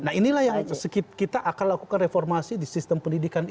nah inilah yang kita akan lakukan reformasi di sistem pendidikan ini